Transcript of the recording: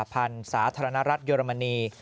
ช่วยว่าการกระทรวงต่างประเทศสหพันธ์สาธารณรัฐเยอรมนี